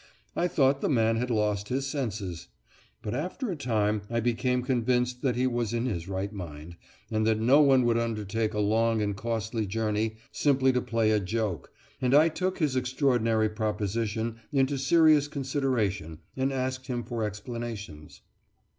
I thought the man had lost his senses. But after a time I became convinced that he was in his right mind, and that no one would undertake a long and costly journey simply to play a joke, and I took his extraordinary proposition into serious consideration and asked him for explanations.